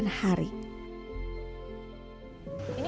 ina membuat keripik untuk dijual keesokan hari